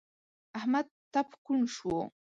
احمد ټپ کوڼ شو.